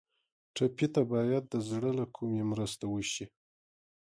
ټپي ته باید د زړه له کومي مرسته وشي.